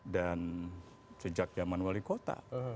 dan sejak zaman wali kota